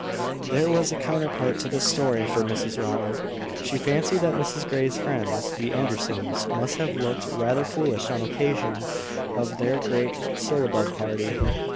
There was a counterpart to this story for Mrs Rowland. She fancied that Mrs Grey's friends, the Andersons, must have looked rather foolish on occasion of their great syllabub party.